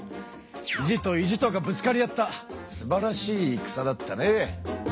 意地と意地とがぶつかり合ったすばらしいいくさだったね！